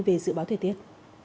về dự báo thời tiết